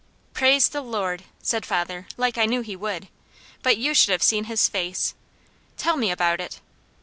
"Praise the Lord!" said father like I knew he would, but you should have seen his face. "Tell me about it!"